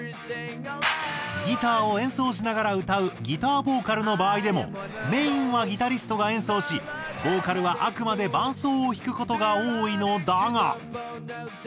ギターを演奏しながら歌うギターボーカルの場合でもメインはギタリストが演奏しボーカルはあくまで伴奏を弾く事が多いのだが。